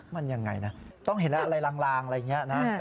มันยังไงนะต้องเห็นอะไรลางอะไรอย่างนี้นะ